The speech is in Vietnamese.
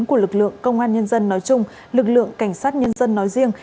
của lực lượng công an nhân dân nói chung lực lượng cảnh sát nhân dân nói riêng